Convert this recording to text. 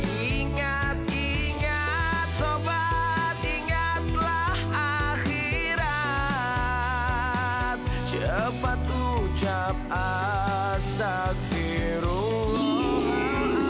ingat ingat sobat ingatlah akhirat cepat ucap astagfirullah